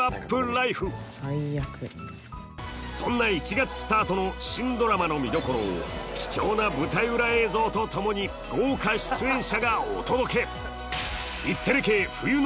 そんな１月スタートの新ドラマの見どころを貴重な舞台裏映像とともに豪華出演者がお届け！